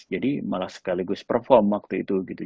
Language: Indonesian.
jadi malah sekaligus perform waktu itu gitu